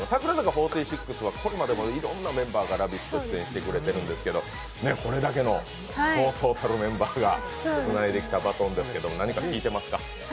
４６はこれまでもいろんなメンバーが「ラヴィット！」に出演してくれてるんですけれども、これだけのそうそうたるメンバーがつないできたバトンですけど何か聞いてますか？